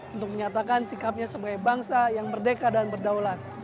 untuk menyatakan sikapnya sebagai bangsa yang merdeka dan berdaulat